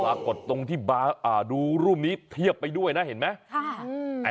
ปรากฏตรงที่ดูรูปนี้เทียบไปด้วยนะเห็นไหม